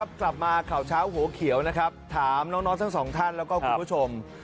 กลับมาข่าวเช้าหัวเขียวนะครับถามน้องทั้งสองท่านแล้วก็คุณผู้ชม